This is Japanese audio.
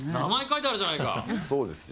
そうですよ。